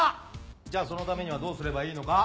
じゃあそのためにはどうすればいいのか？